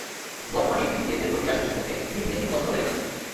বর্তমানে একটি বিসিএসের প্রক্রিয়া শেষ করতে দুই থেকে তিন বছরও লেগে যাচ্ছে।